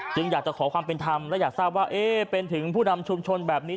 อยากจะขอความเป็นธรรมและอยากทราบว่าเป็นถึงผู้นำชุมชนแบบนี้